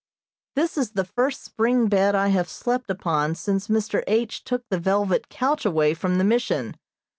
This is the first spring bed I have slept upon since Mr. H. took the velvet couch away from the Mission.